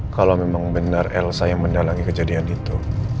kalo memang benar welsa yang mendalangi kejadian itu